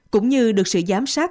cũng như được sự giám sát